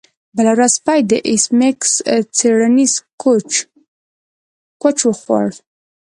بله ورځ سپي د ایس میکس څیړنیز کوچ وخوړ